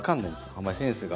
あんまりセンスが。